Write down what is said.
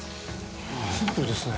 シンプルですね。